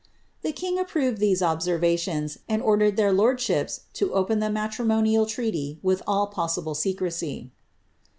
The roving of these observations, ordered their lordships to open monial treaty with all possible secrecy.